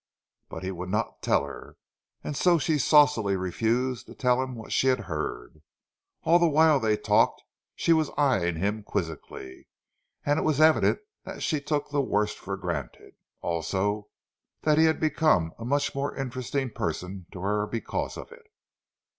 But he would not tell her, and so she saucily refused to tell him what she had heard. All the while they talked she was eyeing him quizzically, and it was evident that she took the worst for granted; also that he had become a much more interesting person to her because of it.